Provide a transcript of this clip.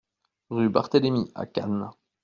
Rue Barthélémy à Cannes